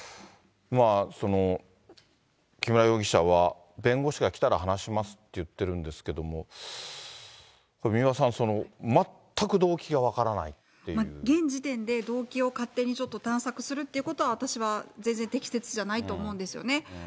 木村容疑者は弁護士が来たら話しますって言ってるんですけれども、三輪さん、現時点で、動機を勝手に探索するということは私は全然適切じゃないと思うんですよね。